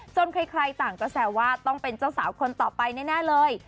ใครต่างก็แซวว่าต้องเป็นเจ้าสาวคนต่อไปแน่เลย